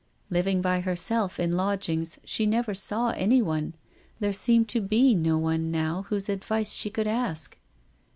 Living by herself in lodgings, she never saw any men ; there seemed to be no one now whose advice she could ask.